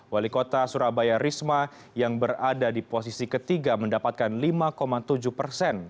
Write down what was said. wali kota surabaya risma yang berada di posisi ketiga mendapatkan lima tujuh persen